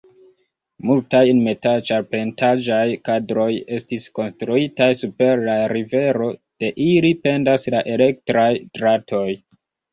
Multaj metal-ĉarpentaĵaj kadroj estis konstruitaj super la rivero; de ili pendas la elektraj dratoj.